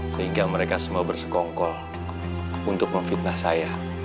sehingga mereka semua bersekongkol untuk memfitnah saya